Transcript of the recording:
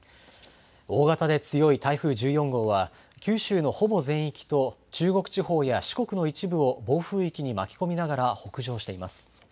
大型で強い台風１４号は、九州のほぼ全域と中国地方や四国の一部を暴風域に巻き込みながら北上しています。